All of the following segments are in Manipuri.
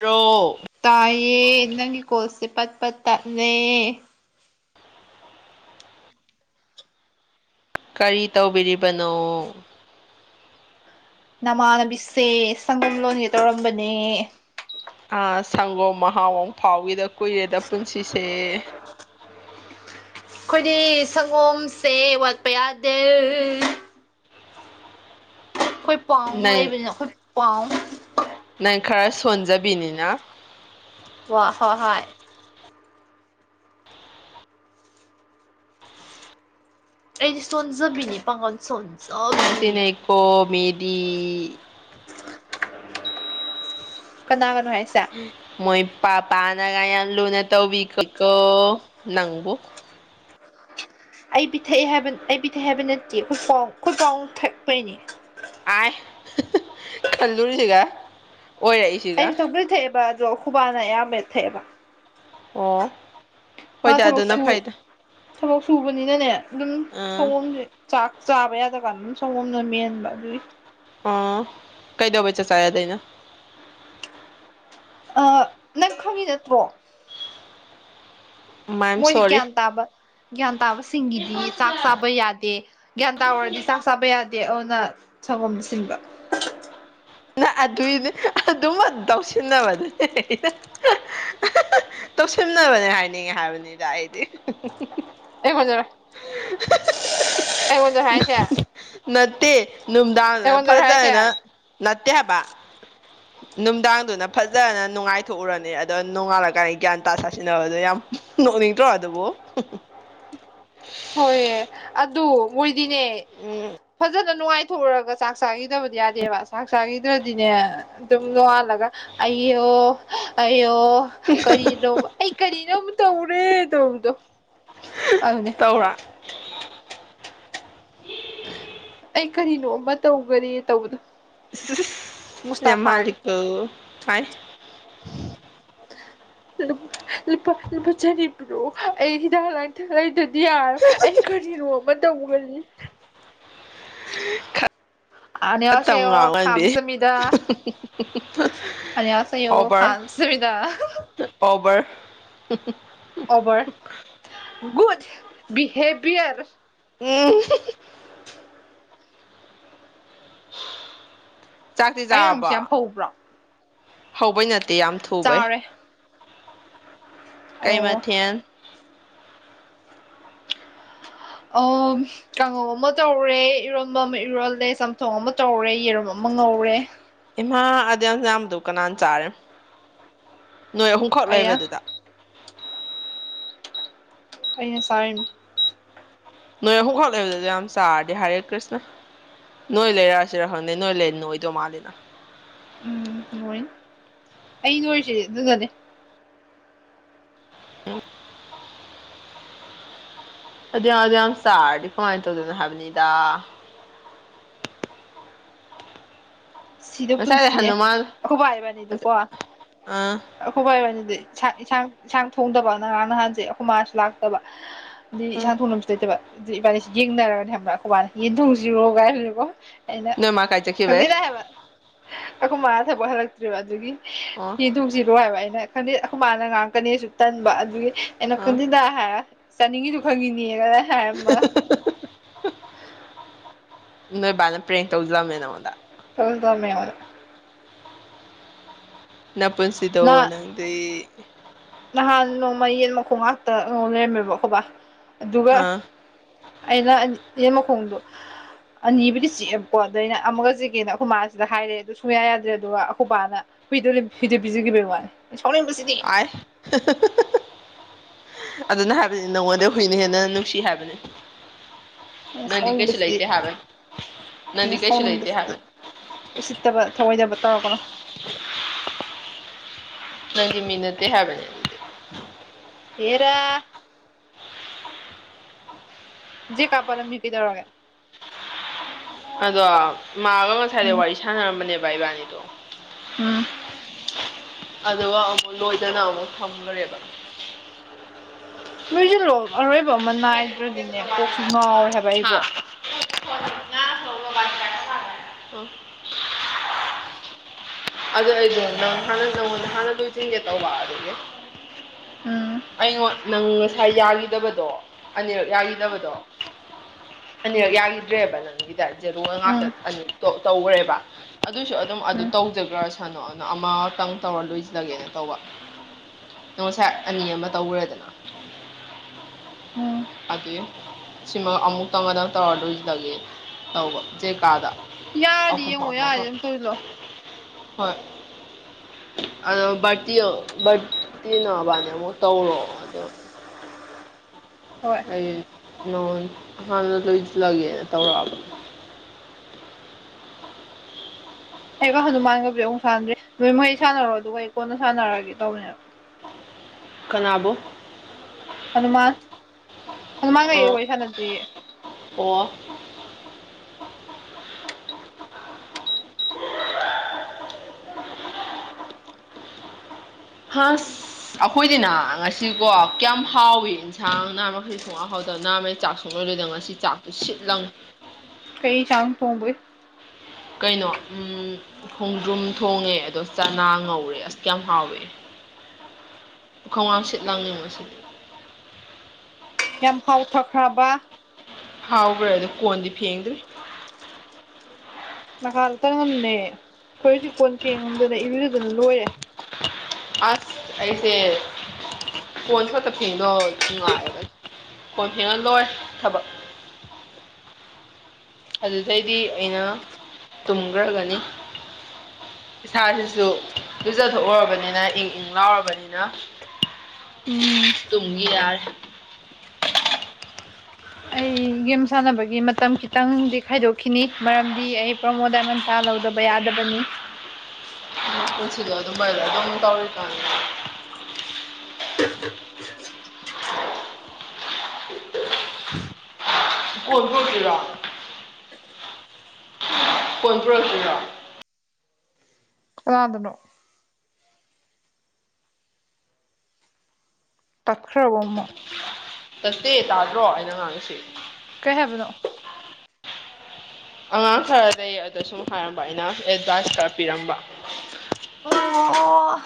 ꯔꯣ ꯇꯥꯏꯌꯦ ꯅꯪꯒꯤ ꯀꯣꯁꯁꯦ ꯄꯠ ꯄꯠ ꯇꯠꯂꯦ ꯀꯔꯤ ꯇꯧꯕꯤꯔꯤꯕꯅꯣ ꯅꯃꯥꯟꯅꯕꯤꯁꯦ ꯁꯪꯒꯝ ꯂꯣꯟꯒꯦ ꯇꯧꯔꯝꯕꯅꯦ ꯑꯥ ꯁꯪꯒꯣꯝ ꯃꯍꯥꯎ ꯑꯃꯨꯛ ꯐꯥꯎꯒꯤꯗ ꯀꯨꯏꯔꯦꯗ ꯄꯨꯟꯁꯤꯁꯦ ꯫ ꯑꯩꯈꯣꯏꯗꯤ ꯁꯪꯒꯣꯝꯁꯦ ꯋꯥꯠꯄ ꯌꯥꯗꯦ ꯫ ꯑꯩꯈꯣꯏ ꯄꯥꯎ ꯅꯪ ꯂꯩꯕꯅꯥꯅ ꯑꯩꯈꯣꯏ ꯄꯥꯎ ꯫ ꯅꯪ ꯈꯔ ꯁꯣꯟꯖꯕꯤꯅꯤꯅ ꯫ ꯋꯥ ꯍꯣꯏ ꯍꯣꯏ ꯑꯩꯗꯤ ꯁꯣꯟꯖꯕꯤꯅꯤ ꯄꯥꯡꯒꯟ ꯁꯣꯟ ꯌꯥꯝ ꯇꯤꯅꯩꯀꯣ ꯃꯦꯗꯤ ꯫ ꯀꯅꯥꯒꯅꯣ ꯍꯥꯏꯁꯦ ꯃꯣꯏ ꯄꯥꯄꯥꯅꯒ ꯌꯥꯝ ꯂꯨꯅ ꯇꯧꯕꯤꯀꯣ ꯅꯪꯕꯨ ꯫ ꯑꯩ ꯄꯤꯊꯛꯑ ꯍꯥꯏꯕ ꯑꯩ ꯄꯤꯊꯛꯑꯦ ꯍꯥꯏꯕ ꯅꯠꯇꯦ ꯑꯩꯈꯣꯏ ꯄꯥꯎ ꯑꯩꯈꯣꯏ ꯄꯥꯎ ꯊꯛꯄꯩꯅꯦ ꯫ ꯑꯥꯏ ꯈꯜꯂꯨꯔꯤꯁꯤꯒ ꯑꯣꯏꯔꯛꯏꯁꯤ ꯑꯩꯁꯨ ꯊꯝꯄꯨꯗꯤ ꯊꯛꯑꯦꯕ ꯑꯗꯣ ꯑꯩꯈꯣꯏ ꯕꯥꯅ ꯑꯌꯥꯝꯕ ꯊꯛꯑꯦꯕ ꯫ ꯑꯣ ꯃꯥ ꯍꯣꯏꯗ ꯊꯕꯛ ꯑꯗꯨꯅ ꯁꯨ ꯐꯩꯗ ꯊꯕꯛ ꯁꯨꯕꯅꯤꯅꯅꯦ ꯑꯗꯨꯝ ꯑꯥ ꯁꯪꯒꯣꯝꯁꯪ ꯆꯥꯛ ꯆꯥꯕ ꯌꯥꯗ ꯀꯥꯟ ꯑꯗꯨꯝ ꯁꯪꯒꯣꯝꯅ ꯃꯦꯟꯕ ꯑꯗꯨꯏ꯫ ꯑ ꯀꯩꯗꯧꯕꯩ ꯆꯥꯛ ꯆꯥ ꯌꯥꯗꯩꯅꯣ ꯫ ꯑ ꯅꯪ ꯈꯪꯉꯤ ꯅꯠꯇ꯭ꯔꯣ ꯫ [inaudible] ꯃꯣꯏ ꯁꯣꯔꯤ ꯒ꯭ꯌꯥꯟ ꯇꯥꯕ ꯒ꯭ꯌꯥꯟ ꯇꯥꯕꯁꯤꯡꯒꯤꯗꯤ ꯆꯥꯛ ꯆꯥꯕ ꯌꯥꯗꯦ ꯫ ꯒ꯭ꯌꯥꯟ ꯇꯥꯔꯨꯔꯗꯤ ꯆꯥꯛ ꯆꯥꯕ ꯌꯥꯗꯦ ꯑꯗꯨꯅ ꯁꯪꯒꯣꯝ ꯁꯤꯟꯕ ꯫ ꯅ ꯑꯗꯨꯏꯅꯦ ꯑꯗꯨꯝ ꯇꯧꯁꯤꯟꯅꯕꯗꯨꯅꯦ ꯇꯧꯁꯤꯟꯅꯅꯕꯅꯦ ꯍꯥꯏꯅꯤꯡꯉꯦ ꯍꯥꯏꯕꯅꯤꯗ ꯑꯩꯗꯤ [unintelligible] [unintelligible] ꯑꯩꯉꯣꯟꯗ ꯍꯥꯏꯁꯦ ꯅꯠꯇꯦ ꯅꯨꯡꯗꯥꯡꯗꯅ ꯑꯩꯉꯣꯟꯗꯔ ꯍꯥꯏꯁꯦ ꯐꯖꯅ ꯅꯠꯇꯦ ꯍꯥꯏꯕ ꯫ [inaudible] ꯅꯨꯡꯗꯥꯡꯗꯨꯅ ꯐꯖꯅ ꯅꯨꯡꯉꯥꯏꯊꯣꯛꯎꯔꯅꯤ ꯑꯗꯣ ꯅꯣꯡꯉꯥꯜꯂꯀꯥꯟꯗ ꯒ꯭ꯌꯥꯟ ꯇꯥ ꯁꯥꯁꯤꯟꯅꯕꯗꯣ ꯌꯥꯝ ꯅꯣꯛꯅꯤꯡꯗꯔꯣ ꯑꯗꯨꯕꯣ ꯫ [unintelligible] ꯍꯣꯏꯌꯦ ꯑꯗꯨ ꯃꯣꯏꯗꯤꯅꯦ ꯎꯝ ꯐꯖ ꯅꯨꯡꯉꯥꯏꯊꯣꯛꯎꯒ ꯆꯥꯛ ꯆꯥꯈꯤꯗꯕꯗꯤ ꯌꯥꯗꯦꯕ ꯆꯥꯛ ꯆꯥꯈꯤꯗ꯭ꯔꯗꯤꯅꯦ ꯑꯗꯨꯝ ꯅꯣꯡꯉꯥꯜꯂ ꯑꯌꯣ ꯑꯌꯣ ꯀꯔꯤꯅꯣ ꯑꯩ ꯀꯔꯤꯅꯣ ꯇꯧꯔꯦ ꯇꯧꯕꯗꯣ ꯑꯗꯨꯅꯦ ꯫ ꯇꯧꯔꯥ ꯑꯩ ꯀꯔꯤꯅꯣ ꯑꯃ ꯇꯧꯒꯔꯦ ꯇꯧꯕꯗꯣ ꯫ ꯌꯥꯝ ꯃꯨꯁꯇꯥꯥꯐꯥꯒꯤ ꯃꯥꯜꯂꯤꯀꯣ ꯃꯥꯏ ꯂꯨ ꯂꯨꯄꯥ ꯆꯅꯤ ꯄꯤꯔꯛꯑꯣ ꯑꯩ ꯍꯤꯗꯥꯛ ꯂꯥꯡꯊꯛ ꯂꯩꯗꯔ ꯗꯤ ꯌꯥꯔꯣ ꯑꯩ ꯀꯔꯤꯅꯣ ꯑꯃ ꯇꯧꯒꯅꯤ ꯫ ꯈꯔ ꯇꯝ ꯑꯅꯤꯌꯥꯁꯩꯌꯤ ꯉꯥꯡꯉꯗꯤ ꯈꯥꯝꯁꯃꯤꯗꯥ ꯫ ꯑꯅꯤꯌꯥꯁꯩꯌꯣ ꯑꯣꯕꯔ ꯈꯥꯝꯁꯃꯤꯗꯥ ꯫ ꯑꯣꯕꯔ ꯑꯣꯕꯔ ꯒꯨꯨꯗ ꯕꯤꯍꯦꯚꯌꯔ ꯎꯝ ꯆꯥꯛꯇꯤ ꯑꯩ ꯉꯥꯡꯕꯁꯦ ꯌꯥꯝ ꯆꯥꯔꯕꯣ ꯍꯧꯕ꯭ꯔꯣ ꯫ ꯍꯧꯕꯩ ꯅꯠꯇꯦ ꯌꯥꯝ ꯊꯨꯕꯩ ꯆꯥꯔꯦ ꯀꯩ ꯑꯣ ꯃꯊꯦꯜ ꯑꯣ ꯀꯥꯡꯉꯧ ꯑꯃ ꯇꯧꯔꯦ ꯏꯔꯣꯟꯕ ꯑꯃ ꯏꯔꯣꯜꯂꯦ ꯆꯝꯊꯣꯡ ꯑꯃ ꯇꯧꯔꯦ ꯌꯦꯔꯨꯝ ꯑꯃ ꯉꯧꯔꯦ ꯫ ꯏꯃꯥ ꯑꯗꯨ ꯌꯥꯝ ꯌꯥꯝꯕꯗꯣ ꯀꯅꯥꯅ ꯆꯥꯏ ꯅꯣꯏ ꯑꯍꯨꯝꯈꯛ ꯑꯩꯅ ꯂꯩꯕꯗꯨꯗ ꯫ ꯑꯩꯅ ꯆꯔꯤꯝ ꯅꯣꯏ ꯑꯍꯨꯝ ꯈꯛ ꯂꯩꯕꯗ ꯑꯗꯨꯛꯌꯥꯝ ꯆꯥꯔꯗꯤ ꯍꯥꯔꯦ ꯀ꯭ꯔꯤꯁꯅ ꯅꯣꯏ ꯂꯩꯔꯑꯁꯤꯔ ꯈꯪꯅꯩ ꯅꯣꯏ ꯂꯩꯠ ꯅꯣꯏꯗꯣ ꯃꯥꯜꯂꯤꯅ ꯎꯝ ꯅꯣꯏꯟ ꯑꯩ ꯅꯣꯏꯁꯤ ꯑꯗꯨꯅꯅꯦ ꯎꯝ ꯑꯗꯨ ꯌꯥꯝ ꯑꯗꯨ ꯌꯥꯝ ꯆꯥꯔꯗꯤ ꯀꯃꯥꯏꯟ ꯇꯧꯗꯣꯏꯅꯣ ꯍꯥꯏꯕꯅꯤꯗ ꯁꯤꯗ ꯉꯁꯥꯏ ꯄꯨꯟꯁꯤꯅꯦ ꯂꯩꯍꯟꯗꯧ ꯃꯥꯜꯂꯦ ꯑꯈꯣꯏꯕꯥ ꯏꯕꯥꯅꯤꯗꯨꯀꯣ ꯑꯥ ꯑꯈꯣꯏꯕ ꯏꯕꯅꯤꯗꯤ ꯁꯥ ꯏꯁꯥꯡ ꯏꯟꯁꯥꯡ ꯊꯣꯡꯗꯕ ꯅꯉꯔꯥꯡ ꯅꯍꯥꯟꯁꯦ ꯑꯈꯣꯏ ꯃꯥꯁꯨ ꯂꯥꯛꯇꯕ ꯑꯗꯤ ꯑꯥ ꯏꯁꯥꯡ ꯊꯣꯡꯅꯕꯁꯨ ꯂꯩꯇꯕ ꯑꯗ ꯏꯕꯥꯅꯤꯁꯤ ꯌꯦꯡꯅꯔꯒꯅꯦ ꯈꯪꯕ꯭ꯔꯥ ꯑꯈꯣꯏꯕꯥꯅ ꯌꯦꯟ ꯊꯣꯡꯁꯤꯔꯣ ꯀꯥꯏ ꯍꯥꯏ [unintelligible] ꯑꯩꯅ ꯅꯣꯏ ꯃꯥ ꯀꯥꯏ ꯆꯠꯈꯤꯕꯩ ꯈꯪꯗꯦꯗꯥ ꯍꯥꯏꯕ ꯑꯈꯣꯏ ꯃꯥꯥ ꯊꯕꯛ ꯍꯜꯂꯛꯇ꯭ꯔꯤꯕ ꯑꯗꯨꯒꯤ ꯑꯣ ꯌꯦꯟ ꯊꯣꯡꯁꯤꯔꯣ ꯍꯥꯏꯕ ꯑꯩꯅ ꯈꯪꯗꯦ ꯑꯈꯨ ꯃꯥꯅ ꯉꯥꯡꯉꯛꯀꯅꯦꯁꯨ ꯇꯟꯕ ꯑꯗꯨꯒꯤ ꯑꯩꯅ ꯑꯥ ꯀꯟꯗꯦꯗ ꯍꯥꯏꯔ ꯆꯥꯅꯤꯡꯉꯤꯗꯨ ꯈꯪꯉꯤꯅꯦ [unintelligible] ꯍꯥꯏꯔꯝꯃ ꯍꯨ ꯅꯣꯏ ꯕꯥꯅ ꯄ꯭ꯔꯦꯡ ꯇꯧꯖꯂꯝꯃꯦ ꯅꯪꯉꯣꯟꯗ ꯇꯧꯗ ꯇꯧꯔꯝꯃꯦ ꯍꯣꯏ ꯅꯄꯨꯟꯁꯤꯗꯣ ꯅ ꯅꯪꯗꯤ ꯅꯍꯥꯟ ꯅꯣꯡꯃ ꯌꯦꯟ ꯃꯈꯣꯡ ꯉꯥꯛꯇ ꯉꯧ ꯂꯩꯔꯝꯃꯦꯕ ꯑꯈꯣꯏ ꯕꯥ ꯑꯗꯨꯒ ꯑꯥ ꯑꯩꯅ ꯑꯟ ꯌꯦꯟ ꯃꯈꯣꯡꯗꯣ ꯑꯅꯤꯕꯨꯗꯤ ꯆꯤꯛꯑꯦꯕꯀꯣ ꯑꯗ ꯑꯩꯅ ꯑꯃꯒ ꯆꯤꯛꯀꯦꯅ ꯑꯈꯣꯏ ꯃꯥꯥꯁꯤꯗ ꯍꯥꯏꯔꯦ ꯑꯗꯨꯒ ꯁꯨꯡꯌꯥ ꯌꯥꯗ꯭ꯔꯦ ꯑꯗꯨꯒ ꯑꯈꯣꯏꯕꯥꯅ ꯍꯨꯏꯗ ꯂꯨꯏꯝ ꯍꯤꯗ ꯄꯤꯖꯒꯤꯕꯩ ꯋꯥꯟꯅꯦ ꯑꯥꯏ [unintelligible] ꯑꯗꯨꯅ ꯍꯥꯏꯕꯅꯤ ꯅꯪꯉꯣꯟꯗꯩ ꯍꯨꯏꯅ ꯍꯦꯟꯅ ꯅꯨꯡꯁꯤ ꯍꯥꯏꯕꯅꯤ ꯑꯩꯅ ꯅꯪꯗꯤ ꯀꯩꯁꯨ ꯁꯥꯎꯅꯤꯡꯕꯁꯤꯗꯤ ꯂꯩꯇꯦ ꯍꯥꯏꯕꯟ ꯅꯪꯗꯤ ꯑꯩꯅ ꯀꯩꯁꯨ ꯂꯩꯥꯇꯦ ꯁꯥꯎꯅꯤꯡꯕꯁꯤꯗꯤ ꯍꯥꯏꯕꯟ ꯎꯁꯤꯠꯇꯕ ꯊꯧꯑꯣꯏꯗꯕ ꯇꯧꯔꯛꯀꯅꯣ ꯅꯪꯗꯤ ꯃꯤ ꯅꯠꯇꯦ ꯍꯥꯏꯕꯅꯦ ꯑꯦꯔꯥ ꯖꯦꯀꯥ ꯄꯜꯂꯝꯃꯤ ꯀꯩꯗꯧꯔꯒꯦ ꯑꯗꯣ ꯃꯥꯒ ꯉꯁꯥꯏꯗꯩ ꯎꯝ ꯋꯥꯔꯤ ꯁꯥꯟꯅꯔꯝꯕꯅꯦꯕ ꯏꯕꯥꯅꯤꯗꯣ ꯎꯝ ꯑꯗꯨꯒ ꯑꯃꯨ ꯂꯣꯏꯗꯅ ꯑꯃꯨꯛ ꯊꯝꯒꯔꯦꯕ ꯂꯣꯏꯖꯤꯜꯂꯣ ꯑꯔꯣꯏꯕ ꯑꯃ ꯅꯥꯏꯗ꯭ꯔꯗꯤꯅꯦ ꯀꯣꯛꯁꯤ ꯉꯥꯎꯔꯦ ꯍꯥꯏꯕ ꯑꯩꯕꯣ [inaudible] ꯑ ꯑꯗꯨ ꯑꯩꯗꯣ ꯅꯪ ꯍꯥꯟꯅ ꯅꯪꯉꯣꯟꯗ ꯍꯥꯟꯅ ꯂꯣꯏꯆꯤꯟꯒꯦ ꯇꯧꯕ ꯑꯗꯨꯒꯤ ꯎꯝ ꯑꯩꯉꯣꯠ ꯅꯪ ꯉꯁꯥꯏ ꯌꯥꯒꯤꯗꯕꯗꯣ ꯑꯅꯤꯔꯛ ꯌꯥꯒꯤꯗꯕꯗꯣ ꯑꯅꯤꯔꯛ ꯌꯥꯒꯤꯗ꯭ꯔꯦꯕ ꯅꯪꯒꯤꯗ ꯖꯦꯔꯣꯒ ꯉꯥꯛꯇ ꯎꯝ ꯑꯅꯤ ꯇꯣ ꯇꯧꯒ꯭ꯔꯦꯕ ꯑꯗꯨꯏꯁꯨ ꯑꯗꯨꯝ ꯑꯗꯨ ꯎꯝ ꯇꯧꯖꯈ꯭ꯔꯁꯅꯣ ꯑꯅ ꯑꯃꯇꯪ ꯇꯧꯔ ꯂꯣꯏꯖꯤꯜꯂꯒꯦꯅ ꯇꯧꯕ ꯅꯣ ꯉꯁꯥꯏ ꯑꯅꯤ ꯑꯃ ꯇꯧꯒ꯭ꯔꯦꯗꯅ ꯎꯝ ꯑꯗꯨꯏ ꯁꯤꯃ ꯑꯃꯨꯛꯇꯪ ꯉꯗꯪ ꯇꯧꯔ ꯂꯣꯏꯖꯤꯜꯂꯒꯤ ꯇꯧꯕ ꯖꯦ ꯀꯥꯒ ꯌꯥꯗꯤ ꯌꯦꯡꯉꯣ ꯌꯥꯗꯤ ꯑꯗꯨꯝ ꯇꯣꯏꯂꯣ ꯍꯣꯏ ꯑꯗꯣ ꯕꯥꯔꯇꯤꯌꯣ ꯚꯔꯠꯇꯤ ꯅꯕꯥꯅꯦ ꯑꯃꯣꯛ ꯇꯧꯔꯣ ꯑꯗꯣ ꯍꯣꯏ ꯑꯩ ꯅꯉꯣꯟ ꯍꯥꯟꯅ ꯂꯣꯏꯖꯤꯜꯂꯒꯦꯅ ꯇꯧꯔꯛꯑꯕ ꯑꯩꯒ ꯍꯅꯨꯃꯥꯟꯒꯕꯨꯗꯤ ꯑꯃꯨꯛ ꯁꯥꯟꯅꯗ꯭ꯔꯤ ꯅꯣꯏ ꯃꯍꯩ ꯁꯥꯟꯅꯔꯣ ꯑꯗꯨꯒ ꯑꯩ ꯀꯣꯟꯅ ꯁꯥꯟꯅꯔꯒꯦ ꯇꯧꯕꯅꯦꯞ ꯀꯅꯥꯕꯨ ꯍꯅꯨꯃꯥꯟ ꯍꯅꯨꯃꯥꯟꯒ ꯑꯩꯒ ꯑꯥ ꯋꯥꯔꯤ ꯁꯥꯟꯅꯗ꯭ꯔꯤꯌꯦ ꯑꯣ ꯍꯥꯁ ꯑꯈꯣꯏꯗꯤꯅ ꯉꯁꯤꯀꯣ ꯀꯌꯥꯝ ꯍꯥꯎꯏ ꯁꯥꯡ ꯅꯍꯥ ꯃꯈꯩ ꯁꯨꯛꯍꯥꯎ ꯍꯥꯎꯇ ꯅꯥꯍꯃꯩ ꯆꯥꯛ ꯁꯨꯡꯂꯣꯏ ꯂꯣꯏꯗꯝ ꯉꯁꯤ ꯆꯥꯛꯇꯨ ꯁꯤꯠꯂꯪ ꯀꯩ ꯏꯁꯥꯡ ꯇꯣꯡꯕꯩꯏ ꯀꯩꯅꯣ ꯎꯝ ꯈꯣꯡꯗ꯭ꯔꯨꯝ ꯊꯣꯡꯉꯦ ꯑꯗꯣ ꯆꯅꯥ ꯉꯧꯔꯦ ꯑꯁ ꯀꯌꯥꯝ ꯍꯥꯎꯋꯦ ꯈꯣꯡ [unintelligible] ꯁꯤꯠ ꯂꯥꯡꯅꯤꯡꯕꯁꯦ ꯌꯥꯝ ꯍꯥꯎꯊꯛꯈ꯭ꯔꯕ ꯍꯥꯎꯒ꯭ꯔꯦ ꯑꯗꯨ ꯀꯣꯟꯗꯤ ꯐꯦꯡꯗ꯭ꯔꯤ ꯅꯒꯥꯥꯗꯇꯪꯉꯝꯃꯦ ꯈꯣꯏ ꯍꯧꯖꯤꯛ ꯀꯣꯟ ꯐꯦꯡꯉꯝꯗꯅ ꯏꯕꯤꯔꯗꯅ ꯂꯣꯏꯔꯦ ꯑꯥꯁ ꯑꯩꯁꯦ ꯀꯣꯟ ꯐꯠꯇ ꯐꯦꯡꯗꯣ ꯅꯨꯡꯉꯥꯏꯌꯦꯕ ꯀꯣꯟ ꯐꯦꯡꯉ ꯂꯣꯏꯔꯦ ꯊꯕꯛ ꯑꯗꯨꯗꯩꯗꯤ ꯑꯩꯅ ꯇꯨꯝꯈ꯭ꯔꯒꯅꯤ ꯏꯁꯥꯁꯤꯁꯨ ꯇꯨꯖꯊꯣꯛꯎꯔꯕꯅꯤꯅ ꯏꯪ ꯏꯪ ꯂꯥꯎꯔꯕꯅꯤꯅ ꯎꯝ ꯇꯨꯡꯒꯤ ꯌꯥꯔ ꯑꯩ ꯒꯦꯝ ꯁꯥꯟꯅꯕꯒꯤ ꯃꯇꯝ ꯈꯤꯇꯪꯗꯤ ꯈꯥꯏꯗꯣꯛꯈꯤꯅꯤ ꯃꯔꯝꯗꯤ ꯑꯩ ꯄ꯭ꯔꯃꯣꯗꯟ ꯆꯥ ꯂꯧꯗꯕ ꯌꯥꯗꯕꯅꯤ ꯄꯨꯟꯁꯤꯗꯣ ꯑꯗꯨꯃꯥꯏꯅ ꯑꯗꯨꯝ ꯇꯧꯔꯤꯀꯥꯟ ꯐꯐ ꯀꯣꯜꯕꯣ ꯀꯂꯥ ꯀꯣꯟ ꯄꯨꯔꯛꯇꯣꯏꯔꯣ ꯔꯗꯅꯣ ꯇꯛꯈ꯭ꯔꯕ ꯑꯃ ꯆꯁꯇꯦ ꯇꯥꯗ꯭ꯔꯣ ꯑꯩꯅ ꯉꯥꯡꯉꯁꯤ ꯀꯩ ꯍꯥꯏꯕꯅꯣ ꯑꯉꯥꯡ ꯈꯔ ꯂꯩ ꯑꯗꯣ ꯁꯨꯝ ꯍꯥꯏꯔꯝꯕ ꯑꯩꯅ ꯑꯦꯗꯚꯥꯏꯁ ꯈꯔ ꯄꯤꯔꯝꯕ ꯑꯣ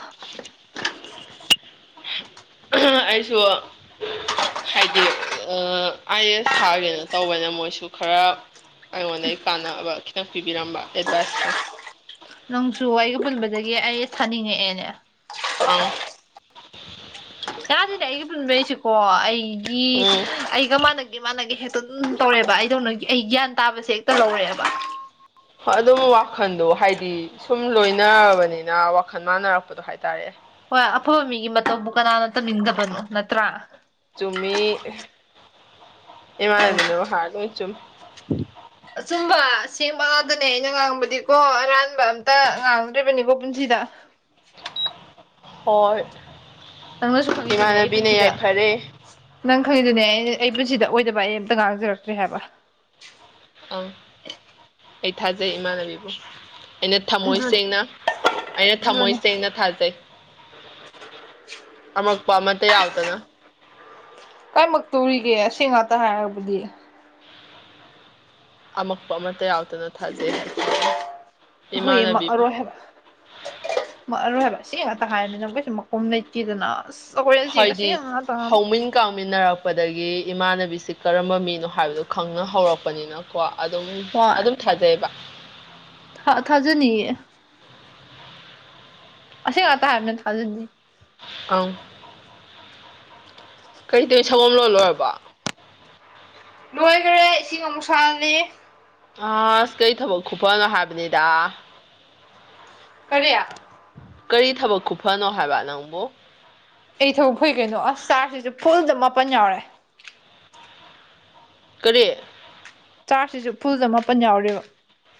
ꯑꯩꯁꯨ ꯍꯥꯏꯗꯤ ꯑꯥꯏ ꯑꯦꯁ ꯊꯥꯒꯦꯅ ꯇꯧꯕꯅ ꯃꯣꯏꯁꯨ ꯈꯔ ꯑꯩꯉꯣꯟꯗꯗꯒꯤ ꯀꯥꯟꯅꯕ ꯈꯤꯇꯪ ꯄꯤꯕꯤꯔꯝꯕ ꯑꯦꯗꯚꯥꯏꯁ ꯈꯤꯇꯪ ꯅꯪꯁꯨ ꯋꯥꯔꯤꯒ ꯄꯨꯟꯕꯗꯒꯤ ꯑꯩ ꯊꯥꯅꯤꯡꯉꯛꯑꯦꯅꯦ ꯑ ꯌꯥꯗꯗꯤ ꯑꯩꯒꯤ ꯄꯨꯟꯕꯩꯁꯤꯀꯣ ꯑꯩꯒꯤ ꯎꯝ ꯑꯩꯒ ꯃꯥꯥꯟꯅ ꯃꯥꯅꯒꯤ ꯍꯦꯛꯇ ꯑꯗꯨꯝ ꯇꯧꯔꯦꯕ ꯑꯩꯗꯧꯅ ꯑꯩ ꯒ꯭ꯌꯥꯟ ꯇꯥꯕꯁꯦ ꯍꯦꯛꯇ ꯂꯧꯔꯦꯕ ꯍ ꯑꯗꯨꯝ ꯋꯥꯈꯜꯗꯣ ꯍꯥꯏꯗꯤ ꯁꯨꯝ ꯂꯣꯏꯅꯔꯕꯅꯤꯅ ꯋꯥꯈꯜ ꯃꯥꯟꯅꯔꯛꯄꯗ ꯑꯗꯨ ꯍꯥꯏꯇꯥꯔꯦ ꯍꯣꯏ ꯑꯐꯕ ꯃꯤꯒꯤ ꯃꯇꯧꯕ ꯀꯅꯥꯅ ꯇꯝꯅꯤꯡꯗꯕꯅꯣ ꯅꯠꯇ꯭ꯔꯥ ꯆꯨꯝꯃꯤ ꯏꯃꯥꯟꯅꯕꯤꯅ ꯍꯥꯔ ꯂꯣꯏ ꯆꯨꯝꯃꯤ ꯎꯝ ꯑꯆꯨꯝꯕ ꯁꯦꯝꯦꯡꯕ ꯉꯥꯛꯇꯅꯦ ꯑꯩꯅ ꯉꯥꯡꯕꯗꯤꯀꯣ ꯑꯔꯥꯟꯕ ꯑꯝꯇ ꯉꯥꯡꯗ꯭ꯔꯤꯕꯅꯤꯀꯣ ꯄꯨꯟꯁꯤꯗ ꯍ ꯅꯪꯅꯁꯨ ꯈꯪꯉꯤꯗꯨꯅꯦ ꯑꯩ ꯏꯃꯥꯟꯅꯕꯤꯅ ꯄꯨꯟꯁꯤꯗ ꯌꯥꯏꯐꯔꯦ ꯅꯪ ꯈꯪꯉꯤꯗꯨꯅꯦ ꯑꯩ ꯑꯩ ꯄꯨꯟꯁꯤꯗ ꯑꯣꯏꯗꯕ ꯑꯩ ꯑꯝꯇ ꯉꯥꯡꯖꯔꯛꯇ꯭ꯔꯦ ꯍꯥꯏꯕ ꯑꯪ ꯑꯩ ꯊꯥꯖꯩ ꯏꯃꯥꯟꯅꯕꯤꯕꯨ ꯑꯩꯅ ꯊꯝꯃꯣꯏ ꯑꯗꯨꯅꯤ ꯁꯦꯡꯅ ꯑꯩꯅ ꯊꯝꯃꯣꯏ ꯑꯗꯨꯅꯤ ꯁꯦꯡꯅ ꯊꯥꯖꯩ ꯑꯃꯃꯛꯄ ꯃ ꯌꯥꯎ ꯇꯗ ꯀꯔꯤꯃꯛꯇꯧꯔꯤꯒꯦ ꯑꯁꯦꯡ ꯉꯥꯛꯇ ꯍꯥꯏꯔꯕꯗꯤ ꯑꯃꯛꯄ ꯑꯃꯠꯇ ꯌꯥꯎꯗꯅ ꯊꯥꯖꯩ ꯍꯥꯏꯁꯤꯅꯤ ꯑꯩꯅ ꯍꯣꯏꯌꯦ ꯏꯃꯥꯟꯅꯕꯤꯕꯨ ꯑꯔꯣꯏ ꯍꯥꯏ ꯑꯔꯣꯏ ꯍꯥꯏꯕ ꯁꯤ ꯉꯥꯛꯇ ꯍꯥꯏꯔꯅꯤꯅ ꯃꯈꯣꯏꯁꯨ ꯃꯀꯨꯝ ꯂꯩꯇꯦꯗꯅ ꯑꯁ ꯁꯒꯁꯤꯦ ꯑꯁꯤ ꯑꯍ ꯇ ꯀꯥꯎꯃꯤꯟꯅꯔꯛꯄꯗꯒꯤ ꯏꯃꯥꯟꯅꯕꯤꯁꯤ ꯀꯔꯝꯕ ꯃꯤꯅꯣ ꯍꯥꯏꯕꯗꯨ ꯈꯪꯅ ꯍꯧꯔꯛꯄꯅꯤꯅ ꯀꯣ ꯑꯗꯨꯝ ꯑꯗꯨꯝ ꯊꯥꯖꯩꯑꯕ ꯊ ꯊꯥꯖꯅꯤꯌꯦ ꯑꯁꯤ ꯀꯥꯛ ꯍꯥꯏꯕꯅ ꯊꯥꯖꯟꯗꯤ ꯑ ꯀꯔꯤ ꯇꯧꯅ ꯁꯒꯣꯝ ꯂꯣꯜ ꯂꯣꯏꯔꯕ ꯂꯣꯏꯈꯔꯦ ꯏꯁꯤꯡ ꯑꯃꯨꯛ ꯁꯥꯜꯂꯤ ꯑꯁ ꯀꯩ ꯊꯕꯛ ꯈꯨꯐꯅꯣ ꯍꯥꯏꯕꯅꯤꯗ ꯀꯔꯌꯥ ꯀꯔꯤ ꯊꯕꯛ ꯈꯨꯨꯞꯐꯅꯣ ꯍꯥꯏꯕ ꯅꯪꯕꯨ ꯑꯩ ꯊꯕꯛ ꯐꯨꯏ ꯀꯩꯅꯣ ꯑꯁ ꯆꯥꯔꯁꯤꯁꯨ ꯐꯨꯜꯗ ꯃꯥꯄꯟ ꯌꯥꯎꯔꯦ ꯀꯔꯤ ꯆꯥꯔꯖꯁꯤꯁꯨ ꯐꯨꯜꯗ ꯃꯥꯄꯟ ꯌꯥꯎꯔꯦꯕ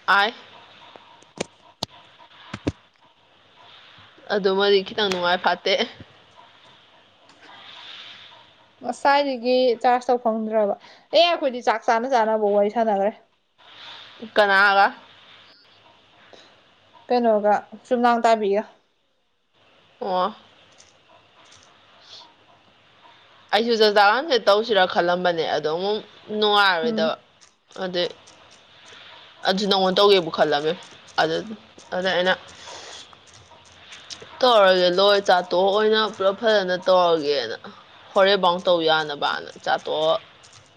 ꯑ ꯑꯗꯨꯃꯗꯤ ꯈꯤꯇꯪ ꯅꯨꯡꯉꯥꯏ ꯐꯥꯠꯇꯦ ꯉꯁꯥꯏꯗꯒꯤ ꯆꯥꯔꯖ ꯇꯧ ꯐꯪꯗ꯭ꯔꯕ ꯑꯦ ꯑꯩꯈꯣꯏꯗꯤ ꯆꯥꯛ ꯆꯥꯅ ꯆꯥꯅꯕ ꯋꯥꯔꯤ ꯁꯥꯟꯅꯈ꯭ꯔꯦ ꯀꯅꯥꯒ ꯀꯩꯅꯣꯒ ꯆꯨꯝꯅꯥꯡ ꯇꯥꯕꯤꯒ ꯑꯣ ꯑꯩꯁꯨ ꯖꯥꯖꯥꯟꯁꯦ ꯇꯧꯁꯤꯔꯥ ꯈꯜꯂꯝꯕꯅꯦ ꯑꯗꯣ ꯑꯃꯨꯛ ꯎꯝ ꯅꯨꯡꯉꯥꯏꯔꯣꯏꯗꯕ ꯑꯗꯨ ꯑꯗꯨ ꯅꯪꯉꯣꯟ ꯇꯧꯒꯦꯕꯨ ꯈꯜꯂꯒꯦ ꯑꯗꯨ ꯑꯗꯨꯗ ꯑꯩꯅ ꯇꯧꯔꯒꯦ ꯂꯣꯏ ꯆꯥꯠꯇꯣꯛ ꯑꯣꯏꯅ ꯄꯨꯂꯞ ꯐꯖꯅ ꯇꯧꯔꯒꯦꯅ ꯍꯣꯔꯦꯟꯐꯥꯎ ꯇꯧ ꯌꯥꯅꯕꯅ ꯆꯥꯠꯇꯣꯛꯑ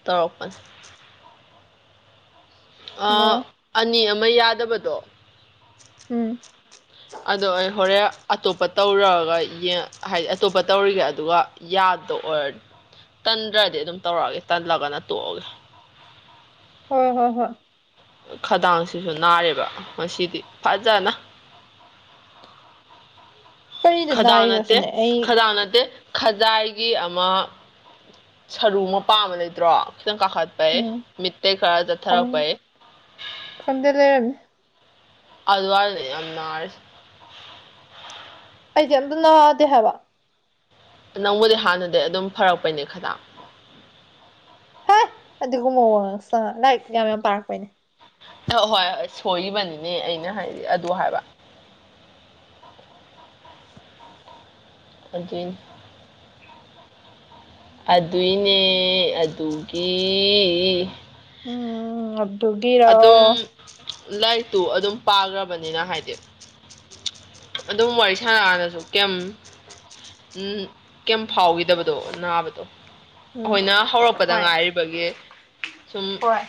ꯇꯧꯔꯛꯄꯅꯦ ꯑꯣ ꯑꯅꯤ ꯑꯃ ꯌꯥꯗꯕꯗꯣ ꯎꯝ ꯑꯗꯣ ꯑꯩ ꯍꯣꯔꯦꯟ ꯑꯇꯣꯞꯄ ꯇꯧꯔꯒ ꯍꯥꯏꯗꯤ ꯑꯇꯣꯞꯄ ꯇꯧꯔꯤꯒꯦ ꯑꯗꯨꯒ ꯌꯥꯗ ꯑꯣꯏꯔꯗꯤ ꯇꯟꯗ꯭ꯔꯗꯤ ꯑꯗꯨꯝ ꯇꯧꯔꯛꯑꯒꯦ ꯇꯜꯂꯒꯅ ꯇꯣꯛꯑꯒꯦ ꯍꯣꯏ ꯍꯣꯏ ꯍꯣꯏ ꯈꯗꯥꯡꯁꯤꯁꯨ ꯅꯥꯔꯦꯕ ꯉꯗꯤ ꯐꯖꯅ ꯀꯔꯤꯗ ꯅꯥꯔꯤꯅꯣ ꯈꯗꯥꯅꯠꯇ ꯁꯤꯅꯦ ꯑꯩ ꯈꯗꯥꯅꯇ ꯈꯖꯥꯏꯒꯤ ꯑꯃ ꯁꯔꯨ ꯃꯄꯥ ꯑꯃ ꯂꯩꯇ꯭ꯔꯣ ꯈꯤꯇꯪ ꯀꯥꯈꯠ ꯎꯝ [unintelligible] ꯈꯟꯗ ꯂꯩ ꯑꯜꯋꯥꯏꯗ ꯌꯥꯝ ꯔꯁ ꯑꯩꯗꯤ ꯑꯝꯇ ꯅꯥꯗꯦ ꯍꯥꯏꯕ ꯅꯪꯕꯨꯗꯤ ꯍꯥꯟꯅꯗꯤ ꯑꯗꯨꯝ ꯐꯔꯛꯄꯩꯅꯦ ꯈꯈꯤꯗꯥꯪ ꯍꯥꯏ ꯑꯗꯨꯒꯨꯝ ꯃꯑꯣꯡꯉ ꯁꯥ ꯂꯥꯏꯛ ꯌꯥꯝ ꯌꯥꯝ ꯄꯥꯔꯛꯄꯩꯅꯦ ꯑꯍꯣꯏ ꯍꯣꯏ ꯁꯣꯏꯔꯤꯕꯅꯤꯅꯦ ꯑꯩꯅ ꯍꯥꯏꯗꯤ ꯑꯗꯨ ꯍꯥꯏꯕ ꯑꯗꯨ ꯑꯗꯨꯏꯅꯦ ꯑꯗꯨꯒꯤ ꯎꯝ ꯑꯗꯨꯒꯤꯔꯣ ꯑꯗꯨꯝ ꯂꯥꯏꯔꯤꯛꯇꯨ ꯑꯗꯨꯝ ꯄꯥꯈ꯭ꯔꯕꯅꯤꯅ ꯍꯥꯏꯗꯤ ꯑꯗꯨꯝ ꯋꯥꯔꯤ ꯁꯥꯟꯅꯑꯗꯁꯨ ꯀꯩꯝ ꯎꯝ ꯀꯩ ꯐꯥꯎꯈꯤꯗꯕꯗꯣ ꯅꯥꯕꯗꯣ ꯎꯝ ꯑꯩꯈꯣꯏꯅ ꯍꯧꯔꯛꯄꯗ ꯍꯣꯏ ꯉꯥꯏꯔꯤꯕꯒꯤ ꯁꯨꯝ ꯍꯣꯏ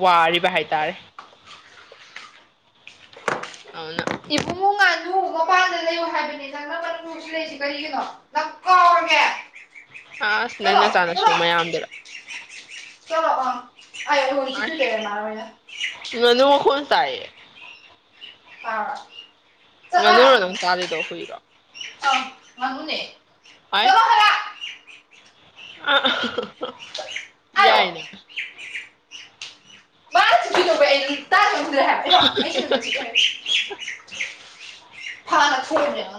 ꯋꯥꯔꯤꯕ ꯍꯥꯏꯇꯥꯔꯦ ꯑꯧꯅ ꯏꯐꯨꯡ ꯉꯥꯅꯨ ꯃꯄꯥꯟꯗ ꯂꯩꯌꯨ ꯍꯥꯏꯕꯅꯦ ꯅꯪ ꯎꯔꯦ ꯑꯁ ꯅꯪꯅ ꯆꯥꯟꯅꯁꯨ ꯃꯌꯥꯝꯗꯨꯔ ꯆꯂꯣ ꯑ ꯑ ꯍꯧ ꯇꯨ ꯂꯩꯒꯅ ꯉꯅꯨ ꯃꯈꯣꯜ ꯇꯥꯏꯌꯦ ꯑꯥ꯫ ꯉꯥꯅꯨꯨꯔꯣ ꯅꯪ ꯄꯥꯜꯂꯤꯗꯣ ꯍꯨꯏꯔꯣ꯫ ꯑꯪ ꯉꯥꯅꯨꯅꯦ ꯍꯥꯏ꯫ ꯆꯠꯂꯣ ꯍꯥꯏꯕ ꯑꯥ ꯑꯍꯍꯍ ꯑꯥꯏꯌꯣ ꯌꯥꯏꯅꯦ꯫ [unintelligible] [unintelligible]